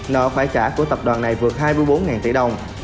nợ phải trả của tập đoàn này vượt hai mươi bốn tỷ đồng